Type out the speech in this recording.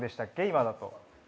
今だと。